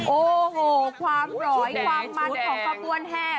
โอ้โหความอร่อยความมันของขบวนแห่